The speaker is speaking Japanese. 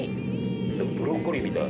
ブロッコリーみたい。